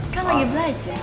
kan lagi belajar